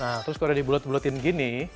nah terus kalau udah di bulet buletin gini